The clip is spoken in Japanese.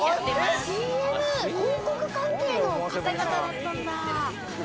広告関係の方々だったんだ。